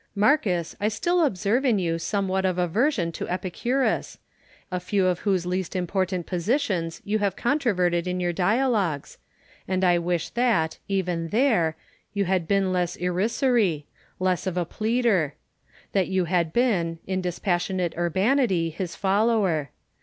Marcus, I still observe in you somewhat of aversion to Epicurus, a few of whose least important positions you have controverted in your dialogues ; and I wish that, even there, you had been less irrisory, less of a pleader ; that you had been, in dispassionate urbanity, his followei'.